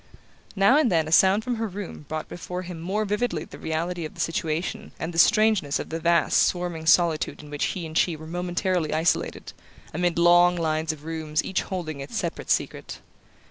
Now and then a sound from her room brought before him more vividly the reality of the situation and the strangeness of the vast swarming solitude in which he and she were momentarily isolated, amid long lines of rooms each holding its separate secret.